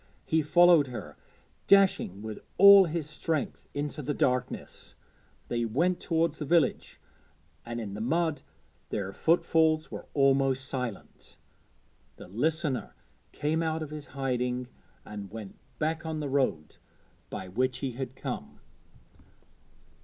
He followed her, dashing with all his strength into the darkness. They went towards the village, and in the mud their footfalls were almost silent. The listener came out of his hiding and went back on the road by which he had come.